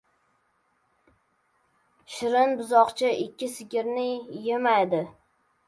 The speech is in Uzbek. • Shirin buzoqcha ikki sigirni emadi.